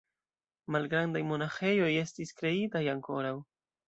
Malgrandaj monaĥejoj estis kreitaj ankoraŭ.